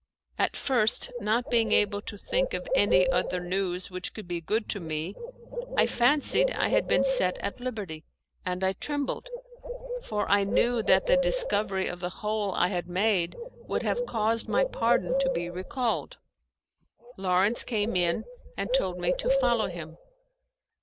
At first, not being able to think of any other news which could be good to me, I fancied I had been set at liberty, and I trembled, for I knew that the discovery of the hole I had made would have caused my pardon to be recalled. Lawrence came in and told me to follow him.